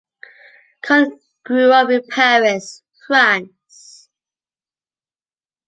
Kahn grew up in Paris, France.